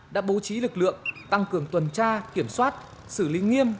đã bố trí lực lượng tăng cường tuần tra kiểm soát xử lý nghiêm